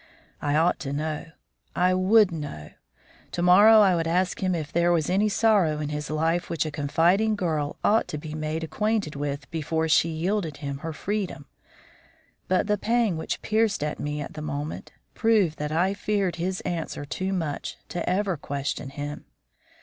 I ought to know I would know. To morrow I would ask him if there was any sorrow in his life which a confiding girl ought to be made acquainted with before she yielded him her freedom. But the pang which pierced me at the thought, proved that I feared his answer too much to ever question him.